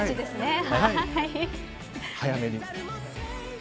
早めに。